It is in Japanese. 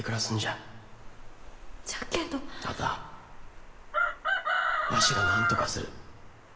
あたあわしがなんとかする。